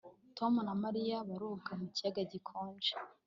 Tom na Mariya baroga mu kiyaga gikonje